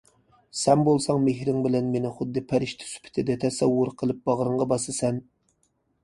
سەن بولساڭ مېھرىڭ بىلەن مېنى خۇددى پەرىشتە سۈپىتىدە تەسەۋۋۇر قىلىپ باغرىڭغا باسىسەن.